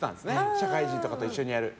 社会人とかと一緒にやる。